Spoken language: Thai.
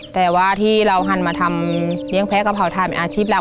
แต่ว่าที่เราหันมาทำเลี้ยงแพ้กะเพราทานเป็นอาชีพเรา